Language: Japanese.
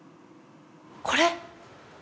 これ！